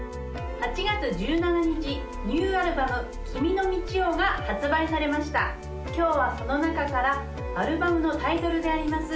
８月１７日ニューアルバム「君の道を」が発売されました今日はその中からアルバムのタイトルであります